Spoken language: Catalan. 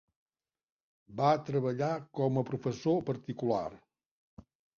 Va treballar com a professor particular.